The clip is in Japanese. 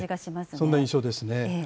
そんな印象ですね。